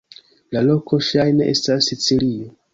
La loko ŝajne estas Sicilio.